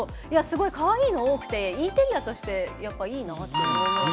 でも、かわいいの多くてインテリアとしていいなって思いました。